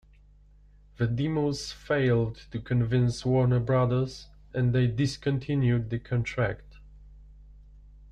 The demos failed to convince Warner Brothers, and they discontinued the contract.